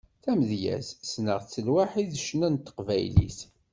Tamedyazt, sneɣ-tt lwaḥi d ccna n teqbaylit.